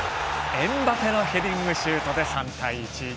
エムバペのヘディングシュートで３対１。